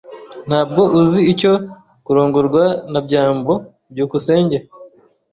Ntabwo uzi icyo kurongorwa na byambo. byukusenge